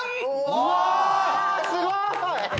すごい！